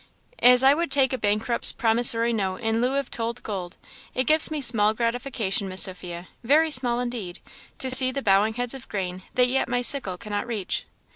"As I would take a bankrupt's promissory note in lieu of told gold. It gives me small gratification, Miss Sophia very small indeed to see the bowing heads of the grain that yet my sickle cannot reach."